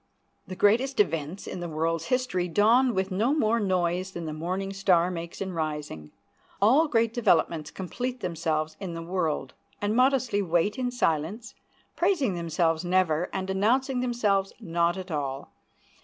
The greatest events in the world's history dawned with no more noise than the morning star makes in rising. All great developments complete themselves in the world, and modestly wait in silence, praising themselves never, and announcing themselves not at all.